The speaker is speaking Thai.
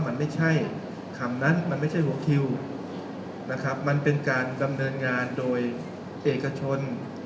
มันไม่ใช่คำนั้นมันไม่ใช่หัวคิวนะครับมันเป็นการดำเนินงานโดยเอกชน